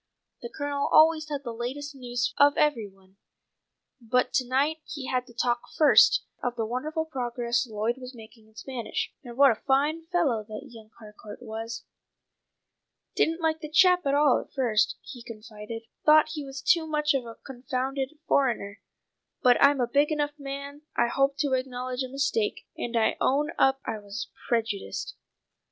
The Colonel always had the latest news of every one, but to night he had to talk first of the wonderful progress Lloyd was making in Spanish, and what a fine fellow that young Harcourt was. "Didn't like the chap at all at first," he confided. "Thought he was too much of a confounded foreigner; but I'm a big enough man I hope to acknowledge a mistake, and I own up I was prejudiced."